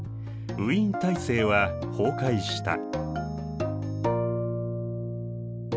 ウィーン体制は崩壊した。